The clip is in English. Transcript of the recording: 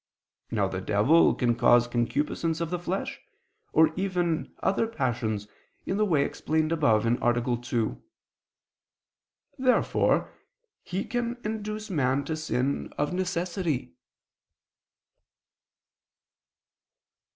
Now the devil can cause concupiscence of the flesh, even as other passions, in the way explained above (A. 2). Therefore he can induce man to sin of necessity.